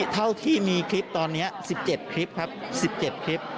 เท่าที่มีคลิปตอนนี้๑๗คลิปครับ๑๗คลิป